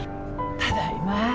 ただいま。